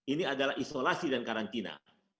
ini adalah isolasi dan karantina